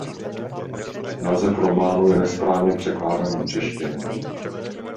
Název románu je nesprávně překládán do Češtiny.